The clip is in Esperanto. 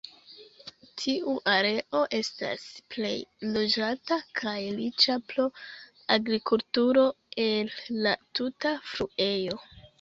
Tiu areo estas plej loĝata, kaj riĉa pro agrikulturo el la tuta fluejo.